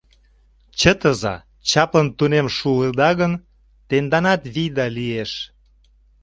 Чытыза: чаплын тунем шуыда гын, тенданат вийда лиеш!